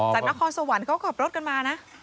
นครสวรรค์เขาขับรถกันมานะ